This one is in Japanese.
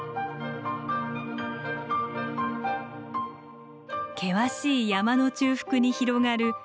険しい山の中腹に広がる平らな土地。